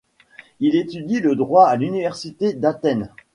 Il étudie le droit à l'Université d'Athènes.